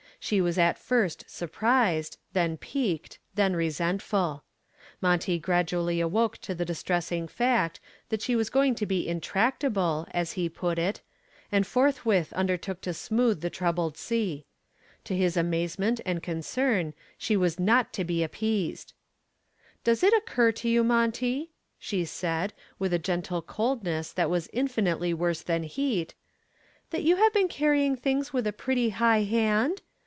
She was at first surprised, then piqued, then resentful. Monty gradually awoke to the distressing fact that she was going to be intractable, as he put it, and forthwith undertook to smooth the troubled sea. To his amazement and concern she was not to be appeased. "Does it occur to you, Monty," she said, with a gentle coldness that was infinitely worse than heat, "that you have been carrying things with a pretty high hand?